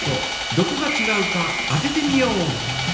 どこがちがうか当ててみよう！